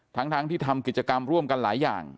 ทั้งที่ทำกิจกรรมร่วมกันหลายอย่าง